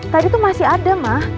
tadi tuh masih ada mah